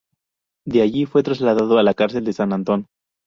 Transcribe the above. De allí fue trasladado a la cárcel de san Antón.